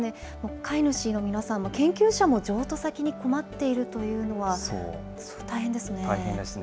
飼い主の皆さんも研究者も譲渡先に困っているというのは、大大変ですね。